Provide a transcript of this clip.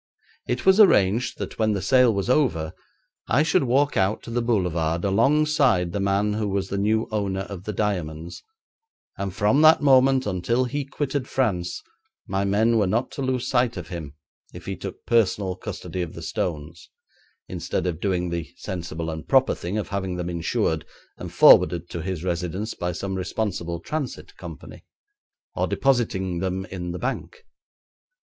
It was arranged that when the sale was over I should walk out to the boulevard alongside the man who was the new owner of the diamonds, and from that moment until he quitted France my men were not to lose sight of him if he took personal custody of the stones, instead of doing the sensible and proper thing of having them insured and forwarded to his residence by some responsible transit company, or depositing them in the bank.